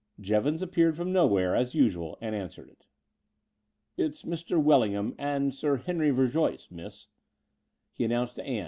Jevons appeared from nowhere, as usual, and answered it. It's Mr. Wellingham and Sir Henry Verjoyce, miss," he announced to Ann.